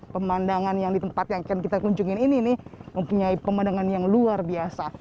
pemandangan yang di tempat yang akan kita kunjungin ini nih mempunyai pemandangan yang luar biasa